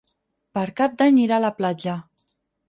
Per Cap d'Any irà a la platja.